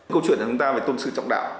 câu chuyện của chúng ta về tôn sư trọng đạo